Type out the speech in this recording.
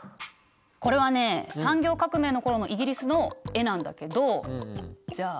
これはね産業革命の頃のイギリスの絵なんだけどじゃあ